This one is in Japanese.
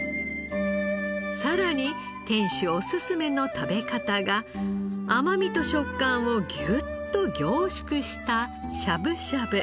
さらに店主おすすめの食べ方が甘みと食感をギュッと凝縮したしゃぶしゃぶ。